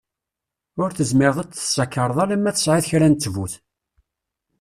Ur tezmireḍ ad t-tessakreḍ ala ma tesεiḍ kra n ttbut.